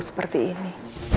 semoga itu ada